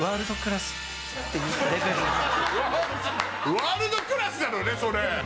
ワールドクラスなのね、それ。